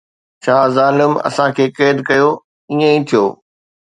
ڇا ظالم اسان کي قيد ڪيو، ائين ئي ٿيو